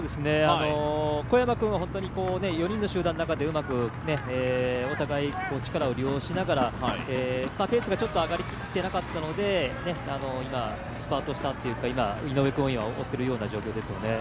小山君は４人の集団の中でうまくお互い力を利用しながら、ペースがちょっと上がりきってなかったので今、スパートしたというか、井上君を追っているような状況ですね。